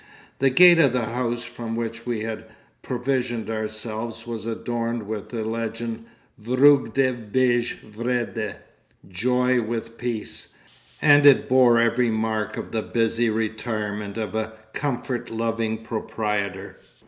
'The gate of the house from which we had provisioned ourselves was adorned with the legend, Vreugde bij Vrede, "Joy with Peace," and it bore every mark of the busy retirement of a comfort loving proprietor.